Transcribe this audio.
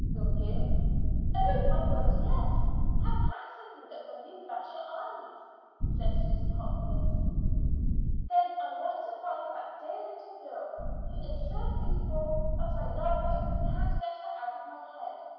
Will you?" "Oh, my word, yes! How handsome you look when you flash your eyes!" said Susy Hopkins. "Then I want to find that dear little girl, who is so beautiful that I love her and can't get her out of my head.